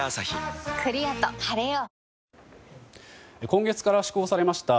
今月から施行されました